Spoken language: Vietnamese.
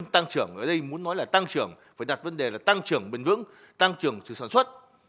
tăng trưởng ở đây muốn nói là tăng trưởng phải đặt vấn đề là tăng trưởng bền vững tăng trưởng trừ sản xuất